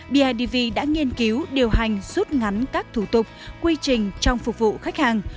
bidv đã nghiên cứu điều hành rút ngắn các thủ tục quy trình trong phục vụ khách hàng